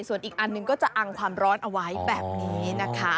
ส่วนอีกอันหนึ่งก็จะอังความร้อนเอาไว้แบบนี้นะคะ